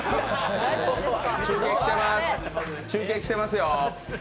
中継来てますよ。